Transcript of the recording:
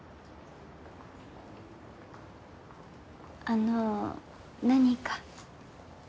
あのう何か？